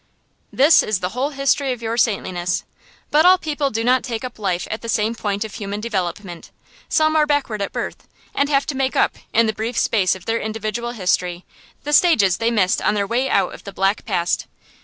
This is the whole history of your saintliness. But all people do not take up life at the same point of human development. Some are backward at birth, and have to make up, in the brief space of their individual history, the stages they missed on their way out of the black past.